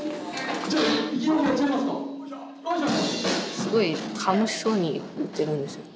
すごい楽しそうに打ってるんですよ。